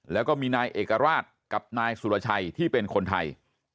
แล้วก็มีนายเอกราชกับนายสุรชัยที่เป็นคนไทย